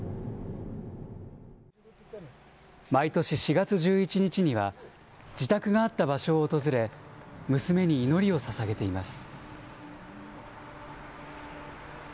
毎年４月１１日には、自宅があった場所を訪れ、娘に祈りをささげています。